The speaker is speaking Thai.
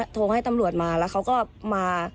โทรให้ตำรวจมา